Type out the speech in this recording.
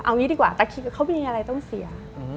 เอางี้ดีกว่าแต่คิดว่าเขาไม่มีอะไรต้องเสีย